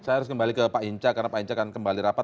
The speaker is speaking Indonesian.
saya harus kembali ke pak hinca karena pak inca akan kembali rapat